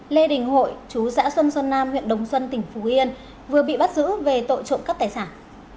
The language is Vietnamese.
lê đình hội chú xã xuân xuân nam huyện đồng xuân tỉnh phú yên vừa bị bắt giữ về tội trộm cắp tài sản